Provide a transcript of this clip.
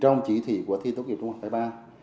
trong chỉ thị của thi tốt nghiệp trung học hai ba